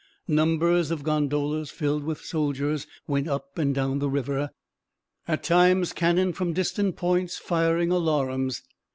Numbers of gondolas filled with soldiers went up and down the river, at times cannon from distant points firing alarums.